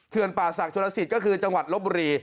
เขื่อนป่าศักดิ์ชุดละศิษย์ก็คือจังหวัดลบบุรี